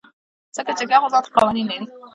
ځکه جرګه خو ځانته قوانين لري .